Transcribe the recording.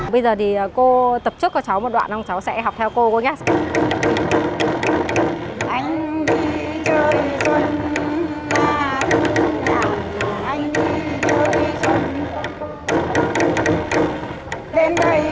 bây giờ thì cô tập trung cho cháu một đoạn không cháu sẽ học theo cô nghe